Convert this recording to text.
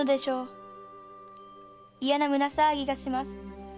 嫌な胸騒ぎがします。